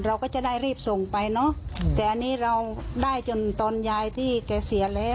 เราก็จะได้รีบส่งไปเนอะแต่อันนี้เราได้จนตอนยายที่แกเสียแล้ว